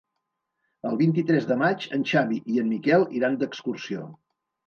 El vint-i-tres de maig en Xavi i en Miquel iran d'excursió.